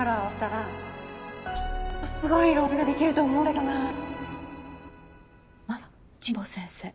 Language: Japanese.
きっとすごい論文ができると思うんだけどなまさか神保先生。